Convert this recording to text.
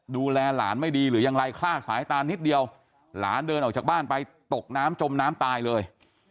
ดูแลหลานไม่ดีหรือยังไรคลาดสายตานิดเดียวหลานเดินออกจากบ้านไปตกน้ำจมน้ำตายเลย